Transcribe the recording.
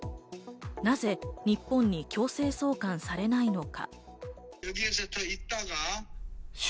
なぜ日本に強制送還されないのか？